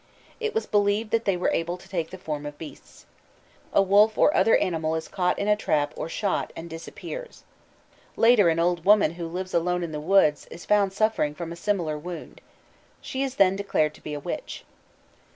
It was believed that they were able to take the form of beasts. A wolf or other animal is caught in a trap or shot, and disappears. Later an old woman who lives alone in the woods is found suffering from a similar wound. She is then declared to be a witch.